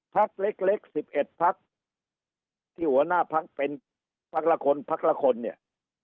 พักเล็ก๑๑พักที่หัวหน้าพักเป็นพักละคนพักละคนเนี่ย